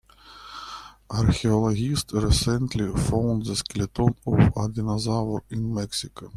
Archaeologists recently found the skeleton of a dinosaur in Mexico.